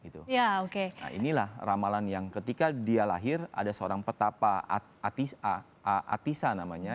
nah inilah ramalan yang ketika dia lahir ada seorang petapa atisa namanya